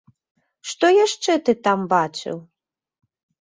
Што яшчэ ты там бачыў?